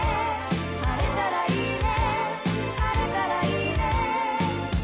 「晴れたらいいね」